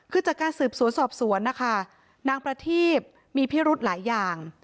คือจากการสืบสวนสอบสวนนะคะนางประทีบมีพิรุธหลายอย่าง